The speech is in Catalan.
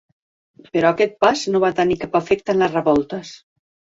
Però aquest pas no va tenir cap efecte en les revoltes.